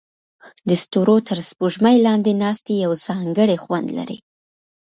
د ستورو تر سپوږمۍ لاندې ناستې یو ځانګړی خوند لري.